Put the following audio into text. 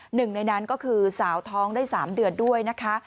หนึ่งในนั้นก็คือสาวท้องได้๓เดือนด้วยนะคะ